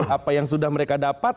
apa yang sudah mereka dapat